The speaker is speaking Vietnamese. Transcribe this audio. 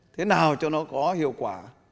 thế nào cho nó có hiệu quả